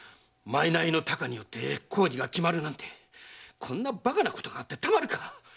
〔賂の多寡によって工事が決まるなんてこんなバカなことがあってたまるか！